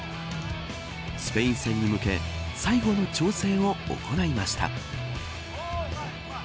スペイン戦に向け最後の調整を行いました。